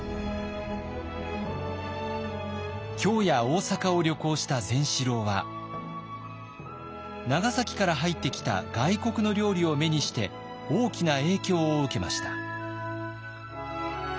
京や大坂を旅行した善四郎は長崎から入ってきた外国の料理を目にして大きな影響を受けました。